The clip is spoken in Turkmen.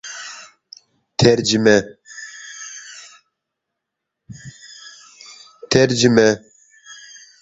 Awlary oňupdy.